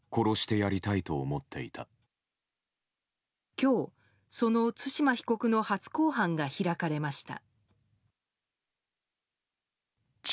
今日、その対馬被告の初公判が開かれました。